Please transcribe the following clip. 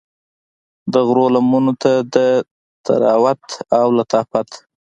د غرو لمنو ته د طراوت او لطافت